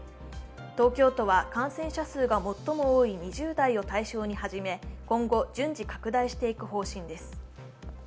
東京都は、感染者数が最も多い２０代を対象に始め今後、順次拡大していく方針です。